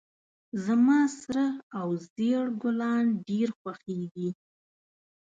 زما سره او زیړ ګلان ډیر خوښیږي